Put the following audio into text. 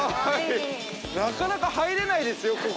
◆なかなか入れないですよ。